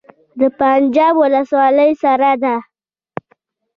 د پنجاب ولسوالۍ سړه ده